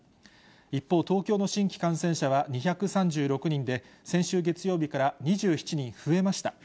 一方、東京の新規感染者は２３６人で、先週月曜日から２７人増えました。